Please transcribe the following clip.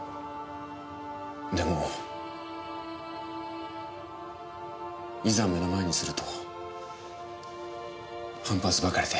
でもいざ目の前にすると反発ばかりで。